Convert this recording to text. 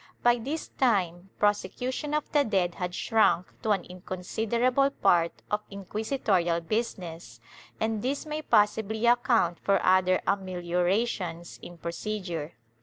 By this time, prosecution of the dead had shrunk to an inconsiderable part of inquisitorial business, and this may possibly account for other ameliorations in procedure.